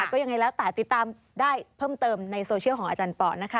ก็ยังไงแล้วแต่ติดตามได้เพิ่มเติมในโซเชียลของอาจารย์ปอนะคะ